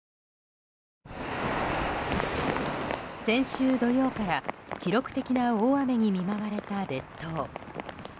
先週土曜から、記録的な大雨に見舞われた列島。